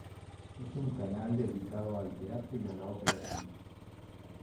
Es un canal dedicado al teatro y a la ópera china.